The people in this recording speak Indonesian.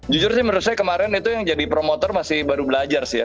jujur sih menurut saya kemarin itu yang jadi promotor masih baru belajar sih ya